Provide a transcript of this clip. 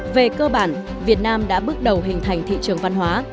về cơ bản việt nam đã bước đầu hình thành thị trường văn hóa